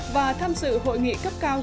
và tham dự hội nghị cấp cao g hai mươi